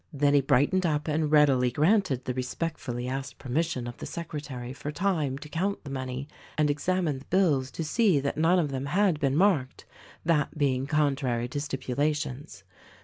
Then he brightened up and readily granted the respectfully asked permission of the secretary for time to count the money and examine the bills to see that none of them had been marked — that being contrary to stipulations.